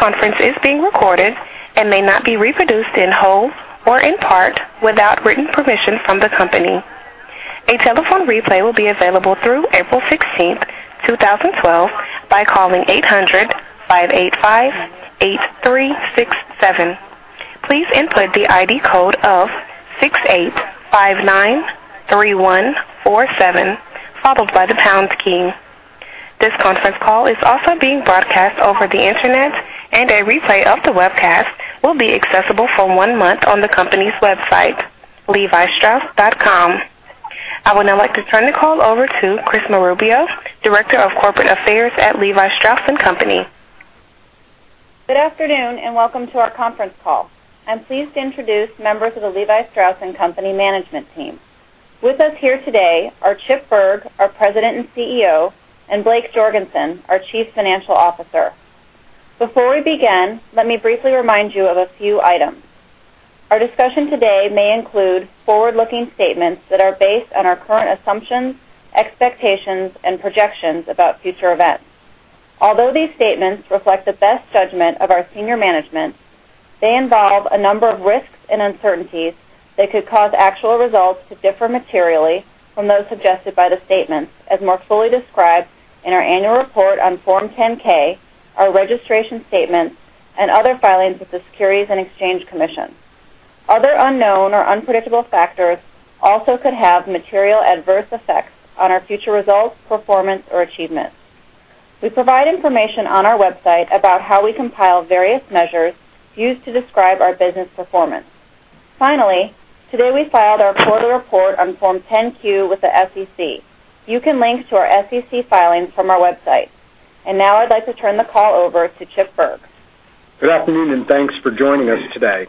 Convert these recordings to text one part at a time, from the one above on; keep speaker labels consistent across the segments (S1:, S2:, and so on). S1: This conference is being recorded and may not be reproduced in whole or in part without written permission from the company. A telephone replay will be available through April 16, 2012, by calling 800-585-8367. Please input the ID code of 68593147, followed by the pound key. This conference call is also being broadcast over the internet, and a replay of the webcast will be accessible for one month on the company's website, levistrauss.com. I would now like to turn the call over to Chris Marubio, Director of Corporate Affairs at Levi Strauss & Co.
S2: Good afternoon and welcome to our conference call. I'm pleased to introduce members of the Levi Strauss & Co. management team. With us here today are Chip Bergh, our President and CEO, and Blake Jorgensen, our Chief Financial Officer. Before we begin, let me briefly remind you of a few items. Our discussion today may include forward-looking statements that are based on our current assumptions, expectations, and projections about future events. Although these statements reflect the best judgment of our senior management, they involve a number of risks and uncertainties that could cause actual results to differ materially from those suggested by the statements, as more fully described in our annual report on Form 10-K, our registration statements, and other filings with the Securities and Exchange Commission. Other unknown or unpredictable factors also could have material adverse effects on our future results, performance, or achievements. We provide information on our website about how we compile various measures used to describe our business performance. Finally, today we filed our quarterly report on Form 10-Q with the SEC. You can link to our SEC filings from our website. I'd like to turn the call over to Chip Bergh.
S3: Good afternoon and thanks for joining us today.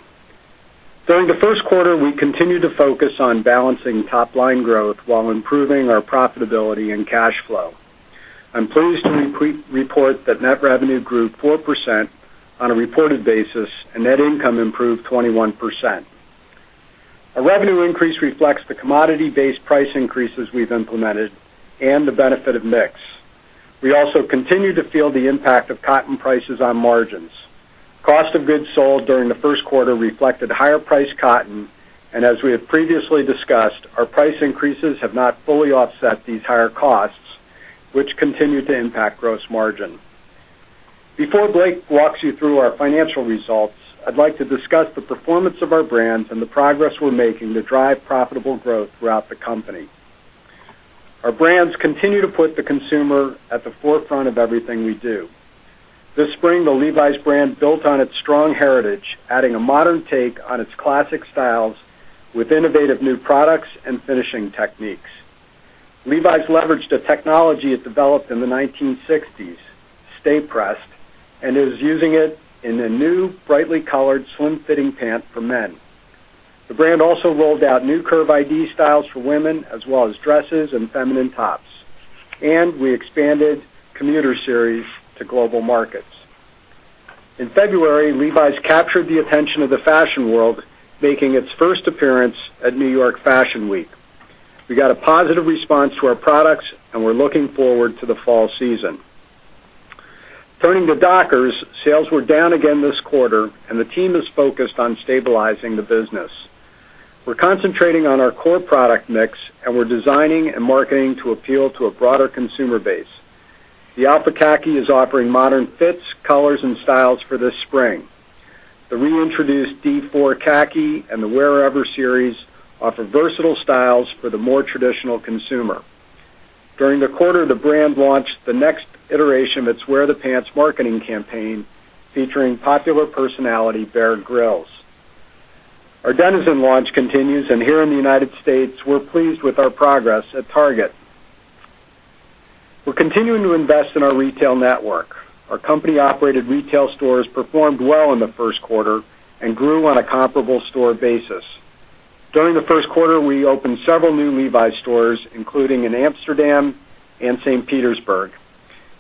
S3: During the first quarter, we continued to focus on balancing top-line growth while improving our profitability and cash flow. I'm pleased to report that net revenue grew 4% on a reported basis and net income improved 21%. Our revenue increase reflects the commodity-based price increases we've implemented and the benefit of NIX. We also continue to feel the impact of cotton prices on margins. Cost of goods sold during the first quarter reflected higher-priced cotton, and as we have previously discussed, our price increases have not fully offset these higher costs, which continue to impact gross margin. Before Blake walks you through our financial results, I'd like to discuss the performance of our brands and the progress we're making to drive profitable growth throughout the company. Our brands continue to put the consumer at the forefront of everything we do. This spring, the Levi's brand built on its strong heritage, adding a modern take on its classic styles with innovative new products and finishing techniques. Levi's leveraged a technology it developed in the 1960s, stay pressed, and is using it in a new brightly colored swim-fitting pant for men. The brand also rolled out new Curve ID styles for women, as well as dresses and feminine tops. We expanded Commuter Series to global markets. In February, Levi's captured the attention of the fashion world, making its first appearance at New York Fashion Week. We got a positive response to our products, and we're looking forward to the fall season. Turning to Dockers, sales were down again this quarter, and the team is focused on stabilizing the business. We're concentrating on our core product mix, and we're designing and marketing to appeal to a broader consumer base. The Alpha Khaki is offering modern fits, colors, and styles for this spring. The reintroduced D4 Khaki and the Wear Ever series offer versatile styles for the more traditional consumer. During the quarter, the brand launched the next iteration of its “Wear the Pants” marketing campaign, featuring popular personality Bear Grylls. Our Denizen launch continues, and here in the United States, we're pleased with our progress at Target. We're continuing to invest in our retail network. Our company-operated retail stores performed well in the first quarter and grew on a comparable store basis. During the first quarter, we opened several new Levi's stores, including in Amsterdam and St. Petersburg,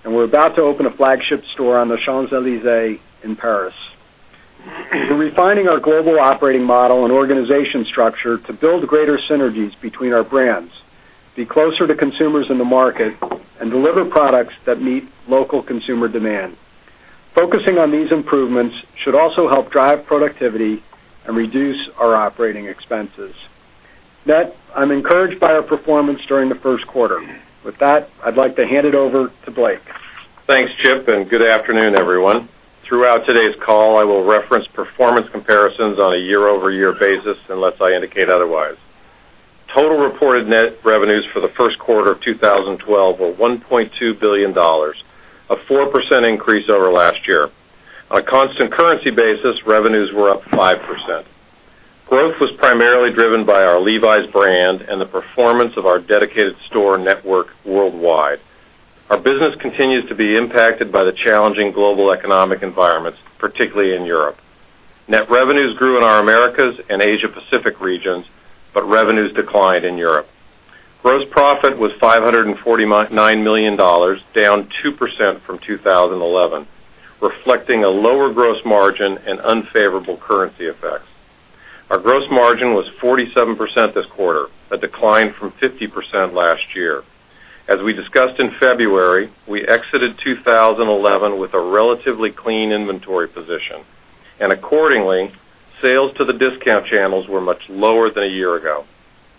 S3: and we're about to open a flagship store on the Champs-Élysées in Paris. We're refining our global operating model and organization structure to build greater synergies between our brands, be closer to consumers in the market, and deliver products that meet local consumer demand. Focusing on these improvements should also help drive productivity and reduce our operating expenses. I'm encouraged by our performance during the first quarter. With that, I'd like to hand it over to Blake.
S4: Thanks, Chip, and good afternoon, everyone. Throughout today's call, I will reference performance comparisons on a year-over-year basis unless I indicate otherwise. Total reported net revenues for the first quarter of 2012 were $1.2 billion, a 4% increase over last year. On a constant currency basis, revenues were up 5%. Growth was primarily driven by our Levi's brand and the performance of our dedicated store network worldwide. Our business continues to be impacted by the challenging global economic environments, particularly in Europe. Net revenues grew in our Americas and Asia-Pacific regions, but revenues declined in Europe. Gross profit was $549 million, down 2% from 2011, reflecting a lower gross margin and unfavorable currency effects. Our gross margin was 47% this quarter, a decline from 50% last year. As we discussed in February, we exited 2011 with a relatively clean inventory position. Accordingly, sales to the discount channels were much lower than a year ago.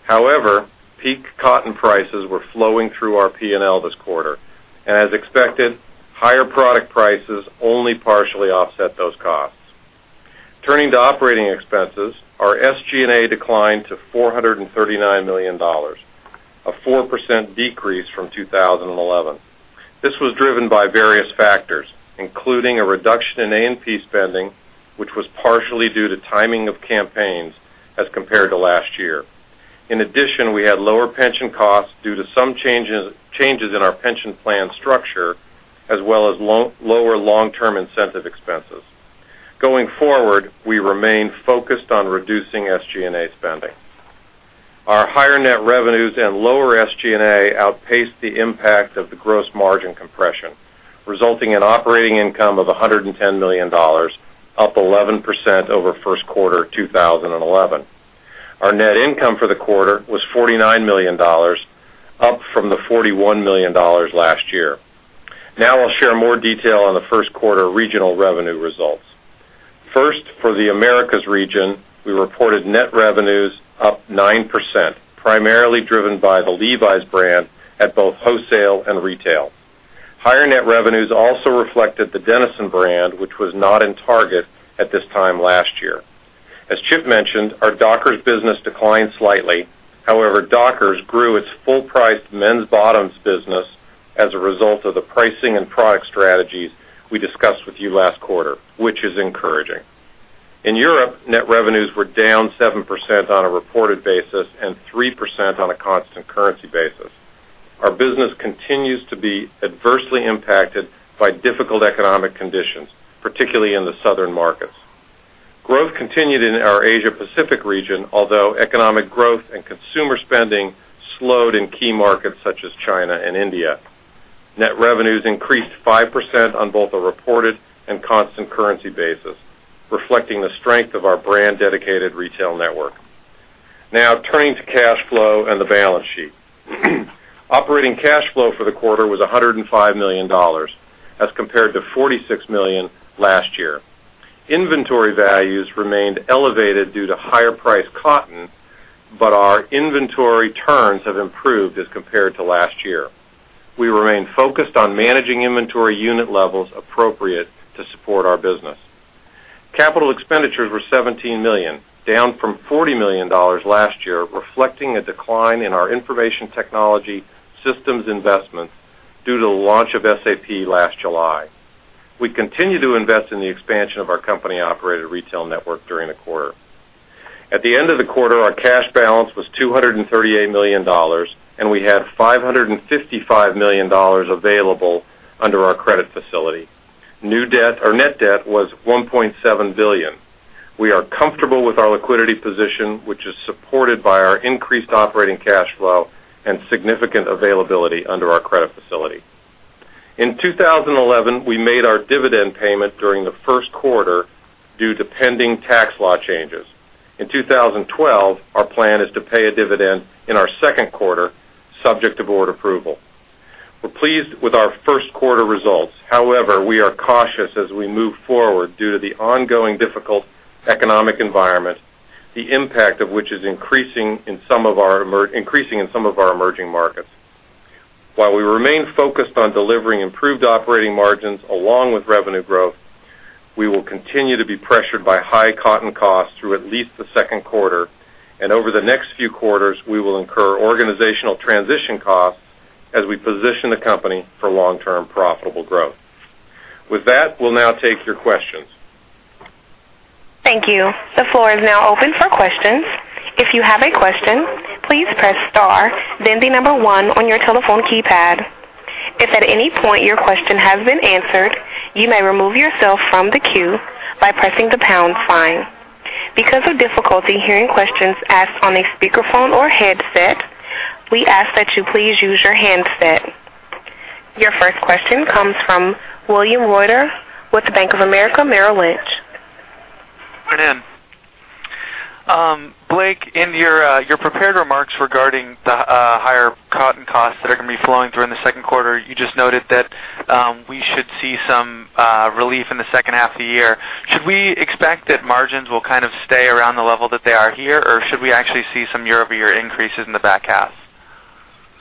S4: However, peak cotton prices were flowing through our P&L this quarter, and as expected, higher product prices only partially offset those costs. Turning to operating expenses, our SG&A declined to $439 million, a 4% decrease from 2011. This was driven by various factors, including a reduction in A&P spending, which was partially due to timing of campaigns as compared to last year. In addition, we had lower pension costs due to some changes in our pension plan structure, as well as lower long-term incentive expenses. Going forward, we remain focused on reducing SG&A spending. Our higher net revenues and lower SG&A outpaced the impact of the gross margin compression, resulting in operating income of $110 million, up 11% over first quarter 2011. Our net income for the quarter was $49 million, up from the $41 million last year. Now I'll share more detail on the first quarter regional revenue results. First, for the Americas region, we reported net revenues up 9%, primarily driven by the Levi's brand at both wholesale and retail. Higher net revenues also reflected the Denizen brand, which was not in Target at this time last year. As Chip mentioned, our Dockers business declined slightly. However, Dockers grew its full-priced men's bottoms business as a result of the pricing and product strategies we discussed with you last quarter, which is encouraging. In Europe, net revenues were down 7% on a reported basis and 3% on a constant currency basis. Our business continues to be adversely impacted by difficult economic conditions, particularly in the southern markets. Growth continued in our Asia-Pacific region, although economic growth and consumer spending slowed in key markets such as China and India. Net revenues increased 5% on both a reported and constant currency basis, reflecting the strength of our brand-dedicated retail network. Now, turning to cash flow and the balance sheet. Operating cash flow for the quarter was $105 million, as compared to $46 million last year. Inventory values remained elevated due to higher-priced cotton, but our inventory turns have improved as compared to last year. We remain focused on managing inventory unit levels appropriate to support our business. Capital expenditures were $17 million, down from $40 million last year, reflecting a decline in our information technology systems investment due to the launch of SAP last July. We continue to invest in the expansion of our company-operated retail network during the quarter. At the end of the quarter, our cash balance was $238 million, and we had $555 million available under our credit facility. New debt, our net debt, was $1.7 billion. We are comfortable with our liquidity position, which is supported by our increased operating cash flow and significant availability under our credit facility. In 2011, we made our dividend payment during the first quarter due to pending tax law changes. In 2012, our plan is to pay a dividend in our second quarter, subject to board approval. We're pleased with our first quarter results. However, we are cautious as we move forward due to the ongoing difficult economic environment, the impact of which is increasing in some of our emerging markets. While we remain focused on delivering improved operating margins along with revenue growth, we will continue to be pressured by high cotton costs through at least the second quarter, and over the next few quarters, we will incur organizational transition costs as we position the company for long-term profitable growth. With that, we'll now take your questions.
S1: Thank you. The floor is now open for questions. If you have a question, please press star, then the number one on your telephone keypad. If at any point your question has been answered, you may remove yourself from the queue by pressing the pound sign. Because of difficulty hearing questions asked on a speakerphone or headset, we ask that you please use your handset. Your first question comes from William Reuter with Bank of America Merrill Lynch.
S5: Blake, in your prepared remarks regarding the higher cotton costs that are going to be flowing through in the second quarter, you just noted that we should see some relief in the second half of the year. Should we expect that margins will kind of stay around the level that they are here, or should we actually see some year-over-year increases in the back half?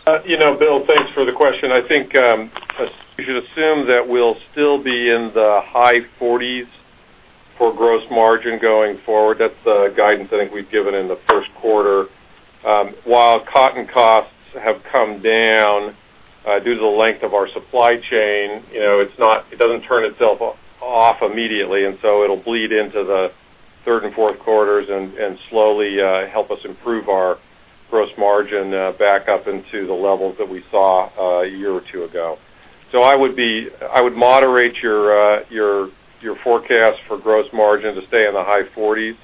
S4: Bill, thanks for the question. I think you should assume that we'll still be in the high 40% for gross margin going forward. That's the guidance I think we've given in the first quarter. While cotton costs have come down due to the length of our supply chain, you know it doesn't turn itself off immediately, and it'll bleed into the third and fourth quarters and slowly help us improve our gross margin back up into the levels that we saw a year or two ago. I would moderate your forecast for gross margin to stay in the high 40%,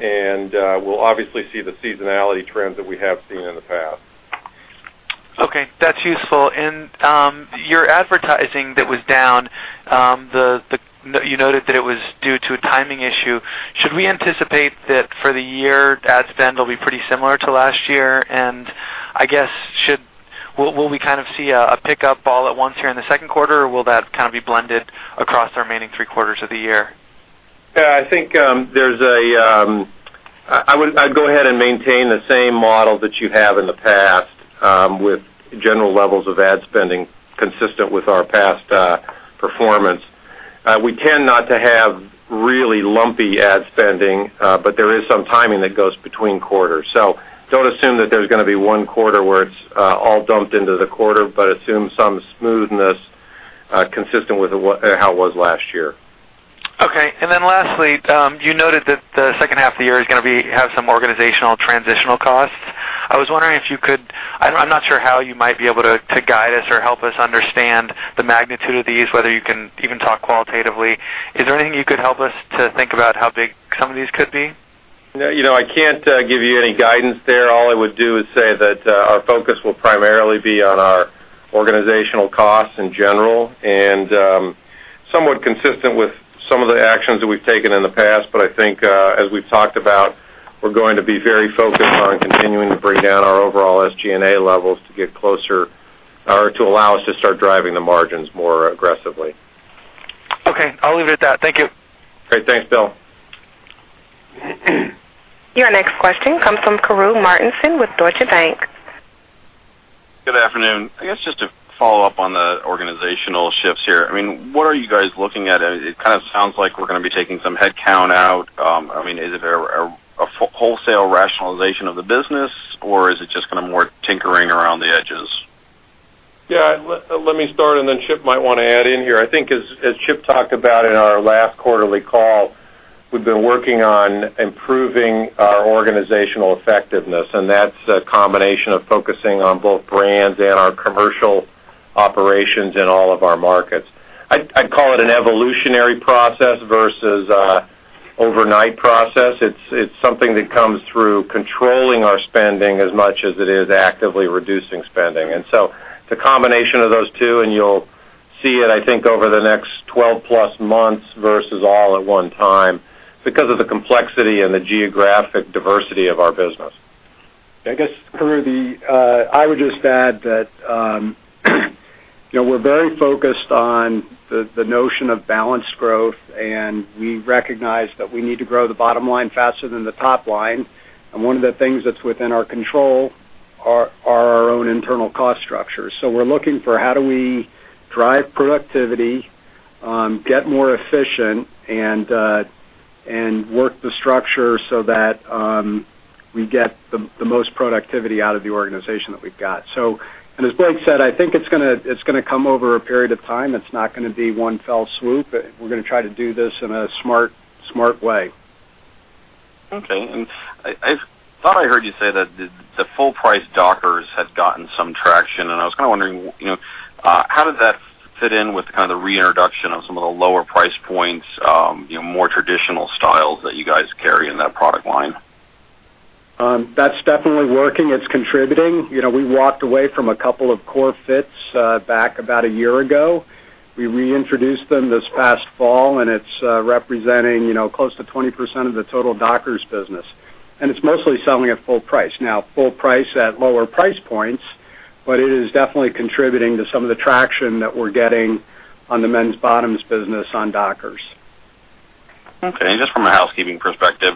S4: and we'll obviously see the seasonality trends that we have seen in the past.
S5: Okay, that's useful. Your advertising that was down, you noted that it was due to a timing issue. Should we anticipate that for the year, ad spend will be pretty similar to last year? I guess, should we kind of see a pickup all at once here in the second quarter, or will that kind of be blended across the remaining three quarters of the year?
S4: I think there's a—I would go ahead and maintain the same model that you have in the past with general levels of ad spending consistent with our past performance. We tend not to have really lumpy ad spending, but there is some timing that goes between quarters. Do not assume that there's going to be one quarter where it's all dumped into the quarter, but assume some smoothness consistent with how it was last year.
S5: Okay. Lastly, you noted that the second half of the year is going to have some organizational transitional costs. I was wondering if you could help us understand the magnitude of these, whether you can even talk qualitatively. Is there anything you could help us to think about how big some of these could be?
S4: No, you know I can't give you any guidance there. All I would do is say that our focus will primarily be on our organizational costs in general, and somewhat consistent with some of the actions that we've taken in the past. I think, as we've talked about, we're going to be very focused on continuing to bring down our overall SG&A levels to get closer or to allow us to start driving the margins more aggressively.
S5: Okay, I'll leave it at that. Thank you.
S4: Great. Thanks, Bill.
S1: Your next question comes from Carruth Martinsen with Deutsche Bank.
S6: Good afternoon. Just to follow up on the organizational shifts here, what are you guys looking at? It kind of sounds like we're going to be taking some headcount out. Is it a wholesale rationalization of the business, or is it just going to be more tinkering around the edges?
S4: Let me start, and then Chip might want to add in here. I think, as Chip talked about in our last quarterly call, we've been working on improving our organizational effectiveness, and that's a combination of focusing on both brands and our commercial operations in all of our markets. I'd call it an evolutionary process versus an overnight process. It's something that comes through controlling our spending as much as it is actively reducing spending. It's a combination of those two, and you'll see it, I think, over the next 12+ months versus all at one time because of the complexity and the geographic diversity of our business.
S3: I guess, Carruth, I would just add that you know we're very focused on the notion of balanced growth, and we recognize that we need to grow the bottom line faster than the top line. One of the things that's within our control are our own internal cost structures. We're looking for how do we drive productivity, get more efficient, and work the structure so that we get the most productivity out of the organization that we've got. As Blake said, I think it's going to come over a period of time. It's not going to be one fell swoop. We're going to try to do this in a smart, smart way.
S6: Okay. I thought I heard you say that the full-priced Dockers had gotten some traction, and I was kind of wondering how did that fit in with the reintroduction of some of the lower price points, more traditional styles that you guys carry in that product line?
S3: That's definitely working. It's contributing. We walked away from a couple of core fits back about a year ago. We reintroduced them this past fall, and it's representing close to 20% of the total Dockers business. It's mostly selling at full price, now full price at lower price points, but it is definitely contributing to some of the traction that we're getting on the men's bottoms business on Dockers.
S6: Okay. Just from a housekeeping perspective,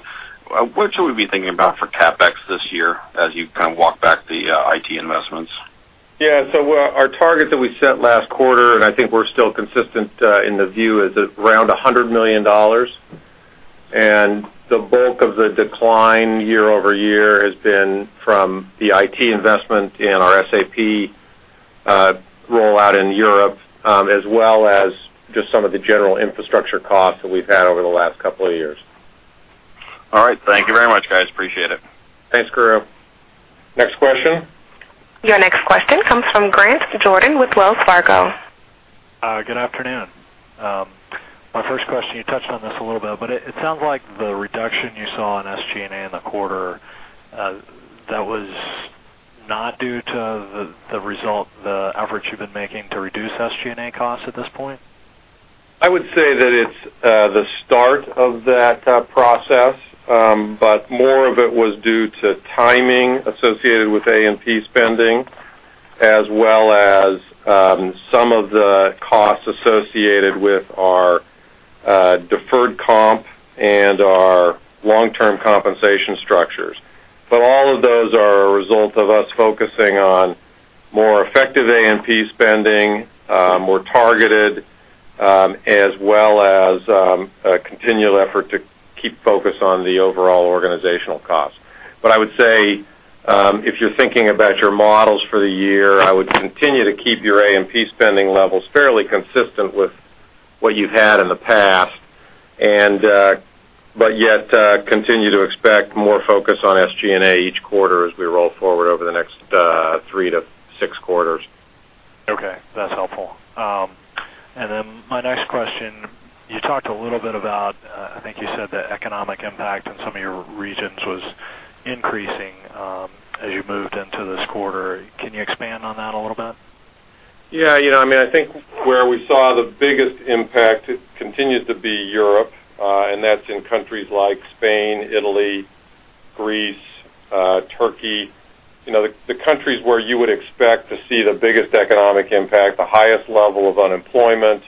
S6: what should we be thinking about for CapEx this year as you kind of walk back the IT investments?
S4: Our targets that we set last quarter, and I think we're still consistent in the view, is around $100 million. The bulk of the decline year-over-year has been from the IT investment and our SAP rollout in Europe, as well as just some of the general infrastructure costs that we've had over the last couple of years.
S6: All right. Thank you very much, guys. Appreciate it.
S4: Thanks, Carruth. Next question.
S1: Your next question comes from Grant Jordan with Wells Fargo.
S7: Good afternoon. My first question, you touched on this a little bit, but it sounds like the reduction you saw in SG&A in the quarter was not due to the efforts you've been making to reduce SG&A costs at this point?
S4: I would say that it's the start of that process, but more of it was due to timing associated with A&P spending, as well as some of the costs associated with our deferred comp and our long-term compensation structures. All of those are a result of us focusing on more effective A&P spending, more targeted, as well as a continual effort to keep focus on the overall organizational costs. If you're thinking about your models for the year, I would continue to keep your A&P spending levels fairly consistent with what you've had in the past, yet continue to expect more focus on SG&A each quarter as we roll forward over the next three to six quarters.
S7: Okay. That's helpful. My next question, you talked a little bit about, I think you said the economic impact in some of your regions was increasing as you moved into this quarter. Can you expand on that a little bit?
S4: Yeah. I think where we saw the biggest impact, it continues to be Europe, and that's in countries like Spain, Italy, Greece, Turkey. The countries where you would expect to see the biggest economic impact, the highest level of unemployment,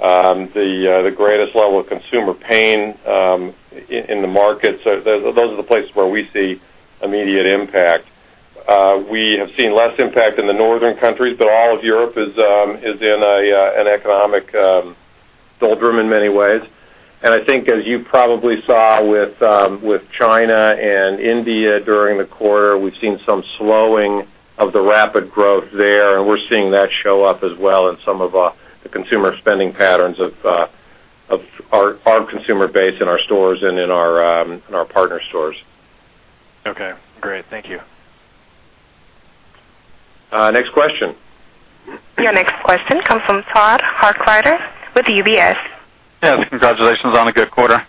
S4: the greatest level of consumer pain in the market. Those are the places where we see immediate impact. We have seen less impact in the northern countries, but all of Europe is in an economic doldrum in many ways. I think, as you probably saw with China and India during the quarter, we've seen some slowing of the rapid growth there, and we're seeing that show up as well in some of the consumer spending patterns of our consumer base in our stores and in our partner stores.
S7: Okay, great. Thank you.
S4: Next question.
S1: Your next question comes from Todd Harpfinger with UBS.
S8: Yeah. Congratulations on a good quarter.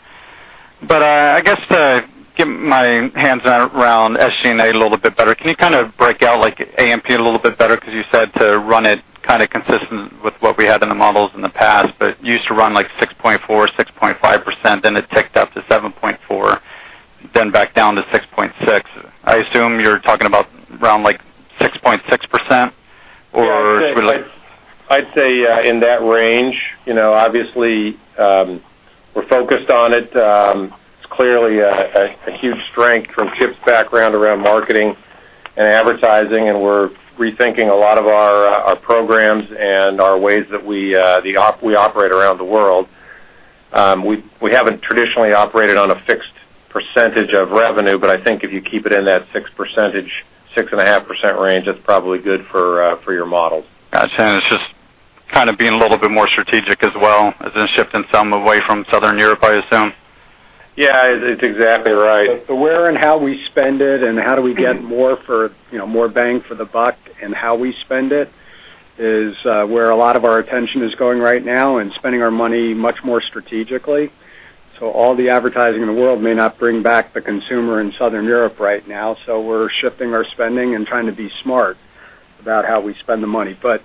S8: I guess to get my hands around SG&A a little bit better, can you kind of break out like A&P a little bit better? You said to run it kind of consistent with what we had in the models in the past, but it used to run like 6.4%, 6.5%, then it ticked up to 7.4%, then back down to 6.6%. I assume you're talking about around like 6.6%, or it was like.
S4: I'd say in that range. You know, obviously, we're focused on it. It's clearly a huge strength from Chip's background around marketing and advertising, and we're rethinking a lot of our programs and our ways that we operate around the world. We haven't traditionally operated on a fixed percentage of revenue, but I think if you keep it in that 6%, 6.5% range, that's probably good for your model.
S8: Gotcha. It's just kind of being a little bit more strategic as well as in shifting some away from Southern Europe, I assume?
S4: Yeah, it's exactly right.
S3: The where and how we spend it and how do we get more for, you know, more bang for the buck and how we spend it is where a lot of our attention is going right now, and spending our money much more strategically. All the advertising in the world may not bring back the consumer in southern Europe right now. We're shifting our spending and trying to be smart about how we spend the money. You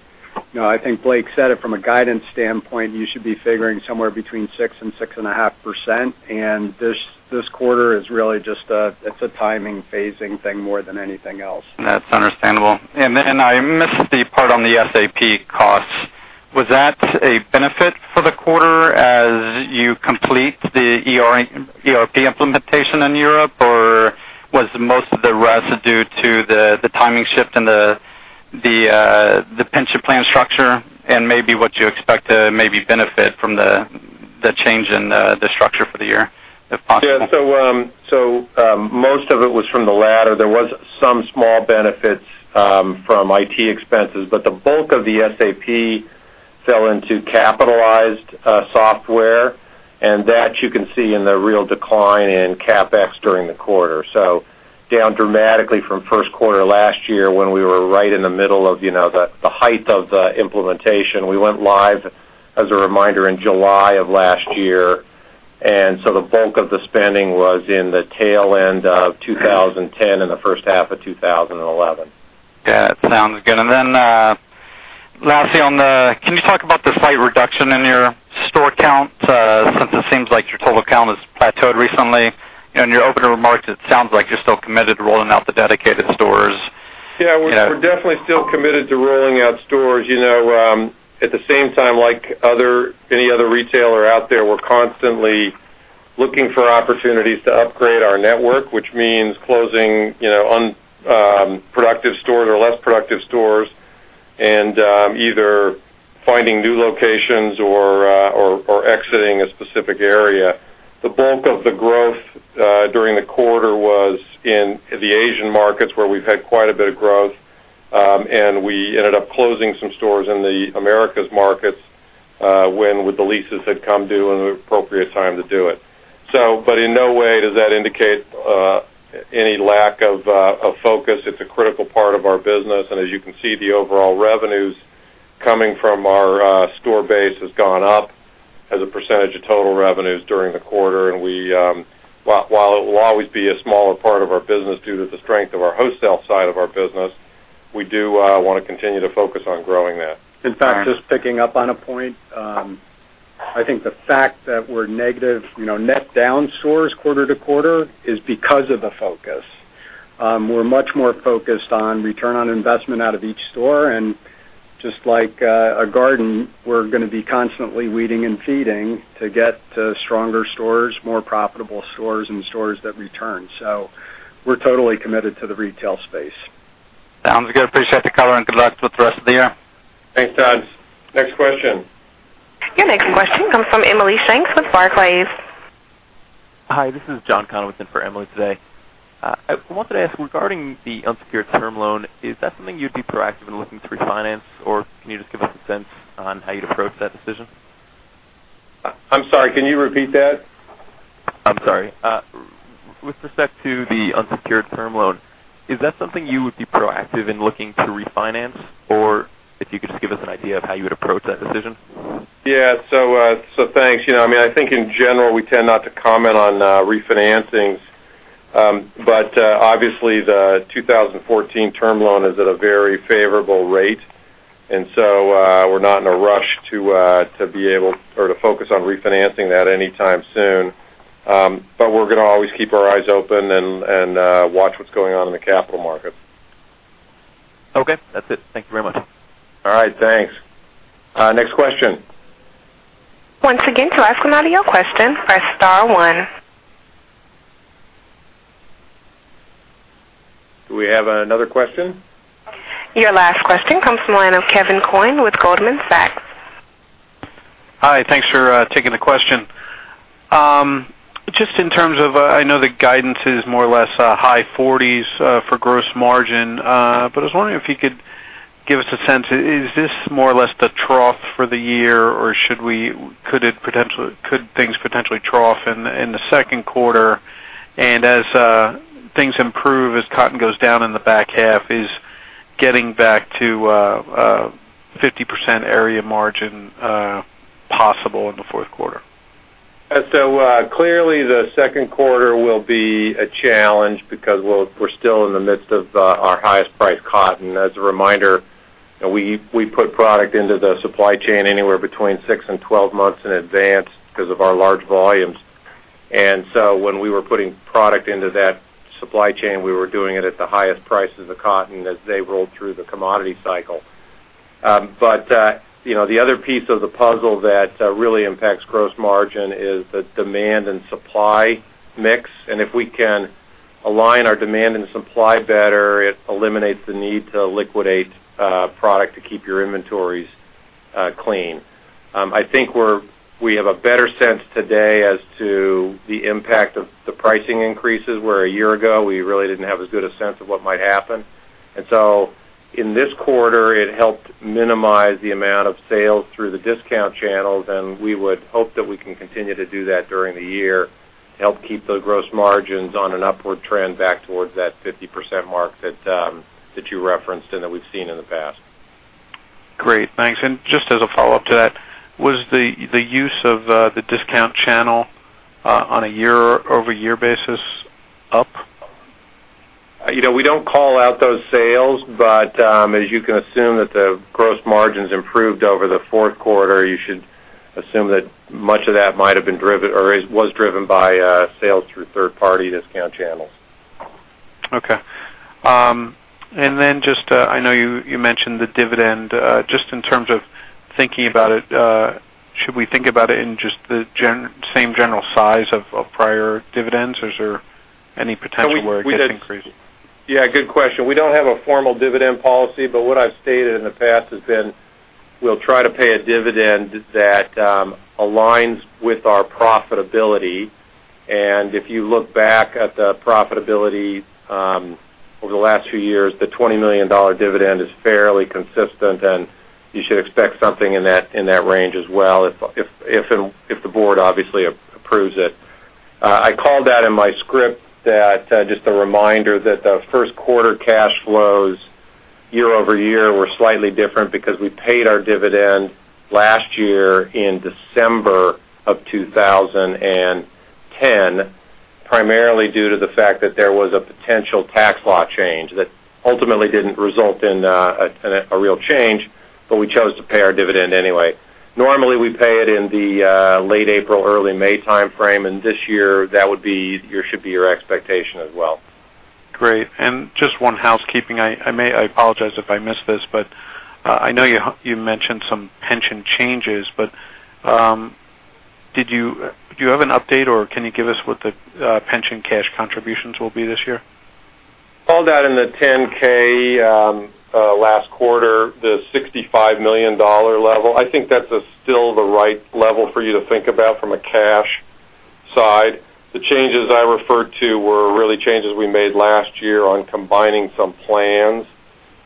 S3: know, I think Blake said it from a guidance standpoint, you should be figuring somewhere between 6% and 6.5%, and this quarter is really just a timing phasing thing more than anything else.
S8: That's understandable. I missed the part on the SAP costs. Was that a benefit for the quarter as you complete the ERP implementation in Europe, or was most of the rest due to the timing shift in the pension plan structure and maybe what you expect to benefit from the change in the structure for the year, if possible?
S4: Yeah. Most of it was from the latter. There were some small benefits from IT expenses, but the bulk of the SAP fell into capitalized software, and you can see that in the real decline in CapEx during the quarter. Down dramatically from first quarter last year when we were right in the middle of the height of the implementation. We went live, as a reminder, in July of last year. The bulk of the spending was in the tail end of 2010 and the first half of 2011.
S8: That sounds good. Lastly, can you talk about the slight reduction in your store count since it seems like your total count has plateaued recently? In your opening remarks, it sounds like you're still committed to rolling out the dedicated stores.
S4: Yeah, we're definitely still committed to rolling out stores. At the same time, like any other retailer out there, we're constantly looking for opportunities to upgrade our network, which means closing productive stores or less productive stores and either finding new locations or exiting a specific area. The bulk of the growth during the quarter was in the Asian markets where we've had quite a bit of growth, and we ended up closing some stores in the Americas markets when the leases had come due and the appropriate time to do it. In no way does that indicate any lack of focus. It's a critical part of our business. As you can see, the overall revenues coming from our store base has gone up as a percentage of total revenues during the quarter. While it will always be a smaller part of our business due to the strength of our wholesale side of our business, we do want to continue to focus on growing that.
S3: In fact, just picking up on a point, I think the fact that we're negative, you know, net down stores quarter to quarter is because of the focus. We're much more focused on return on investment out of each store. Just like a garden, we're going to be constantly weeding and feeding to get to stronger stores, more profitable stores, and stores that return. We're totally committed to the retail space.
S8: Sounds good. Appreciate the cover and good luck with the rest of the year.
S4: Thanks, Todd. Next question.
S1: Your next question comes from Emily Shanks with Barclays.
S9: Hi, this is John Connell in for Emily today. I wanted to ask regarding the unsecured term loan, is that something you'd be proactive in looking to refinance, or can you just give us a sense on how you'd approach that decision?
S4: I'm sorry, can you repeat that?
S9: I'm sorry. With respect to the unsecured term loan, is that something you would be proactive in looking to refinance, or if you could just give us an idea of how you would approach that decision?
S4: Yeah, thanks. I think in general, we tend not to comment on refinancings, but obviously, the 2014 term loan is at a very favorable rate. We're not in a rush to be able or to focus on refinancing that anytime soon. We're going to always keep our eyes open and watch what's going on in the capital markets.
S9: Okay, that's it. Thank you very much.
S4: All right. Thanks. Next question.
S1: Once again, to ask an audio question, press Star One.
S4: Do we have another question?
S1: Your last question comes from a line of Kevin Coyne with Goldman Sachs.
S10: Hi, thanks for taking the question. Just in terms of I know the guidance is more or less high 40% for gross margin, but I was wondering if you could give us a sense, is this more or less the trough for the year, or could things potentially trough in the second quarter? As things improve, as cotton goes down in the back half, is getting back to a 50% area margin possible in the fourth quarter?
S4: Yeah. Clearly, the second quarter will be a challenge because we're still in the midst of our highest priced cotton. As a reminder, you know we put product into the supply chain anywhere between 6 months and 12 months in advance because of our large volumes. When we were putting product into that supply chain, we were doing it at the highest price of the cotton as they rolled through the commodity cycle. The other piece of the puzzle that really impacts gross margin is the demand and supply mix. If we can align our demand and supply better, it eliminates the need to liquidate product to keep your inventories clean. I think we have a better sense today as to the impact of the pricing increases where a year ago we really didn't have as good a sense of what might happen. In this quarter, it helped minimize the amount of sales through the discount channels, and we would hope that we can continue to do that during the year to help keep the gross margins on an upward trend back towards that 50% mark that you referenced and that we've seen in the past.
S10: Great. Thanks. Just as a follow-up to that, was the use of the discount channel on a year-over-year basis up?
S4: We don't call out those sales, but as you can assume that the gross margins improved over the fourth quarter, you should assume that much of that might have been driven or was driven by sales through third-party discount channels.
S10: Okay. I know you mentioned the dividend. In terms of thinking about it, should we think about it in just the same general size of prior dividends, or is there any potential where it gets increased?
S4: Yeah, good question. We don't have a formal dividend policy, but what I've stated in the past has been we'll try to pay a dividend that aligns with our profitability. If you look back at the profitability over the last few years, the $20 million dividend is fairly consistent, and you should expect something in that range as well if the board obviously approves it. I called out in my script that just a reminder that the first quarter cash flows year-over-year were slightly different because we paid our dividend last year in December 2010 primarily due to the fact that there was a potential tax law change that ultimately didn't result in a real change, but we chose to pay our dividend anyway. Normally, we pay it in the late April, early May timeframe, and this year that would be your expectation as well.
S10: Great. Just one housekeeping, I apologize if I missed this, but I know you mentioned some pension changes. Do you have an update or can you give us what the pension cash contributions will be this year?
S4: Called out in the 10-K last quarter, the $65 million level. I think that's still the right level for you to think about from a cash side. The changes I referred to were really changes we made last year on combining some plans,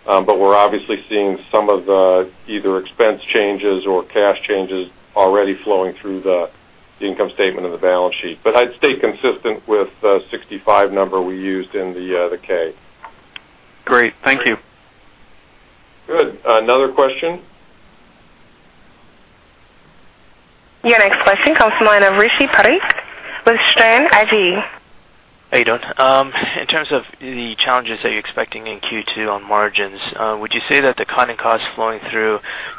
S4: we're obviously seeing some of the either expense changes or cash changes already flowing through the income statement and the balance sheet. I'd stay consistent with the $65 million number we used in the 10-K.
S10: Great. Thank you.
S4: Good. Another question?
S1: Your next question comes from the line of Rishi Parekh with Sterne Agee.
S11: How are you doing? In terms of the challenges that you're expecting in Q2 on margins, would you say that the cotton costs flowing through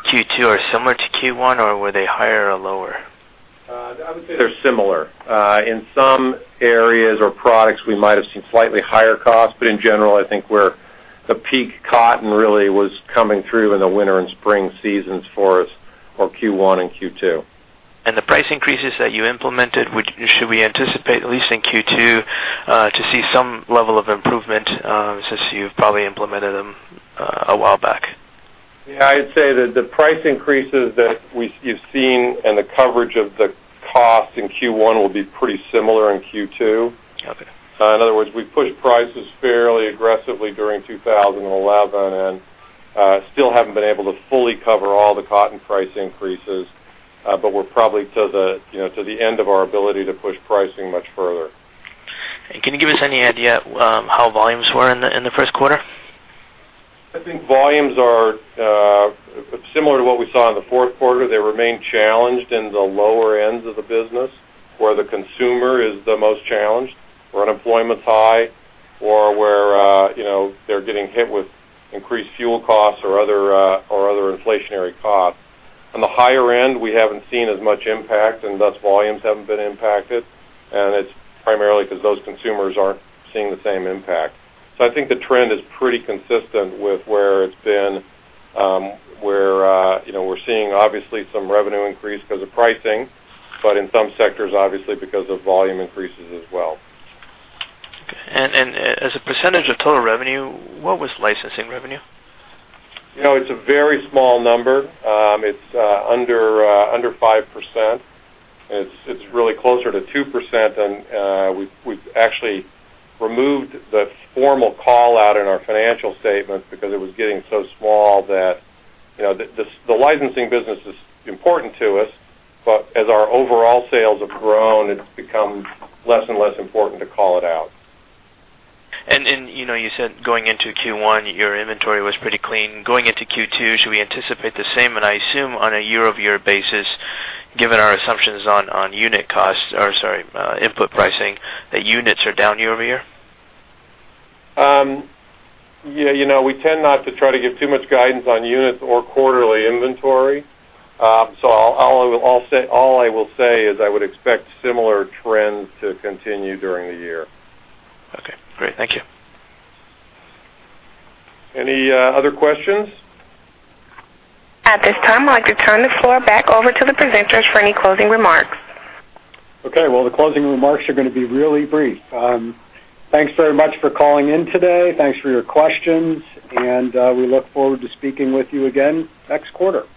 S11: Q2 are similar to Q1, or were they higher or lower?
S4: They're similar. In some areas or products, we might have seen slightly higher costs, but in general, I think where a peak cotton really was coming through in the winter and spring seasons for us are Q1 and Q2.
S11: The price increases that you implemented, should we anticipate at least in Q2 to see some level of improvement since you've probably implemented them a while back?
S4: Yeah, I'd say that the price increases that you've seen and the coverage of the cost in Q1 will be pretty similar in Q2. In other words, we pushed prices fairly aggressively during 2011 and still haven't been able to fully cover all the cotton price increases, but we're probably to the end of our ability to push pricing much further.
S11: Can you give us any idea how volumes were in the first quarter?
S4: I think volumes are similar to what we saw in the fourth quarter. They remain challenged in the lower ends of the business where the consumer is the most challenged, where unemployment's high, or where they're getting hit with increased fuel costs or other inflationary costs. On the higher end, we haven't seen as much impact, and thus volumes haven't been impacted. It's primarily because those consumers aren't seeing the same impact. I think the trend is pretty consistent with where it's been, where we're seeing obviously some revenue increase because of pricing, but in some sectors, obviously because of volume increases as well.
S11: As a percentage of total revenue, what was licensing revenue?
S4: It's a very small number. It's under 5%, and it's really closer to 2%. We actually removed the formal call out in our financial statement because it was getting so small that the licensing business is important to us, but as our overall sales have grown, it's become less and less important to call it out.
S11: You said going into Q1, your inventory was pretty clean. Going into Q2, should we anticipate the same? I assume on a year-over-year basis, given our assumptions on unit costs, or sorry, input pricing, that units are down year-over-year?
S4: Yeah, you know, we tend not to try to give too much guidance on unit or quarterly inventory. All I will say is I would expect similar trends to continue during the year.
S11: Okay. Great. Thank you.
S4: Any other questions?
S1: At this time, I'll give the floor back over to the presenters for any closing remarks.
S3: Okay. The closing remarks are going to be really brief. Thanks very much for calling in today. Thanks for your questions. We look forward to speaking with you again next quarter.